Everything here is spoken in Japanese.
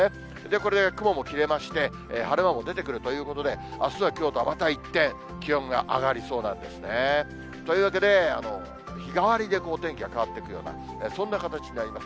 これで雲も切れまして、晴れ間も出てくるということで、あすはきょうとまた一転、気温が上がりそうなんですね。というわけで、日替わりでお天気が変わっていくような、そんな形になります。